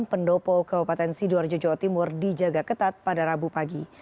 pendopo kabupaten sidoarjo jawa timur dijaga ketat pada rabu pagi